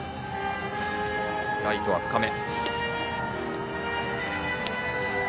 ライトは深め。